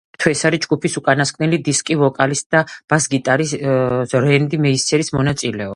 აგრეთვე ეს არის ჯგუფის უკანასკნელი დისკი ვოკალისტ და ბას-გიტარისტ რენდი მეისნერის მონაწილეობით.